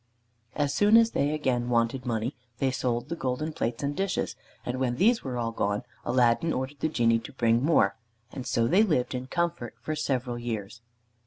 As soon as they again wanted money they sold the golden plates and dishes, and when these were all gone Aladdin ordered the Genie to bring more, and so they lived in comfort for several years.